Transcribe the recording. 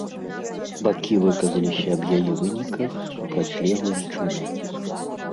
Бакі выказаліся аб яе выніках супрацьлеглым чынам.